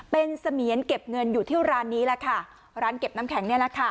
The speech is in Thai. เป็นเสมียนเก็บเงินอยู่ที่ร้านนี้แหละค่ะร้านเก็บน้ำแข็งเนี่ยแหละค่ะ